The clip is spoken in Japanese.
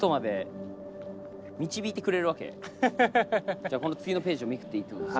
じゃあこの次のページをめくっていいってことですか？